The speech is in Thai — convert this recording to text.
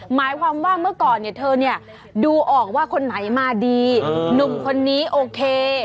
หมายความว่าเมื่อก่อนเนี่ยเธอเนี่ยดูออกว่าคนไหนมาดีหนุ่มคนนี้โอเค